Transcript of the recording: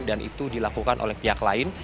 dan itu dilakukan oleh pihak lain